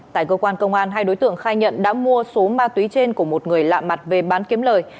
tại cơ quan công an hai đối tượng khai nhận đã mua số ma túy trên của một người lạ mặt về bán kiếm lời